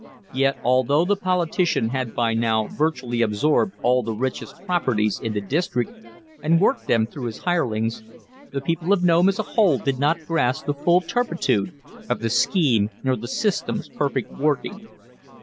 Yet, although the politician had by now virtually absorbed all the richest properties in the district and worked them through his hirelings, the people of Nome as a whole did not grasp the full turpitude of the scheme nor the system's perfect working.